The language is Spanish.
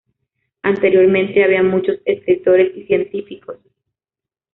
Anteriormente había muchos escritores y científicos.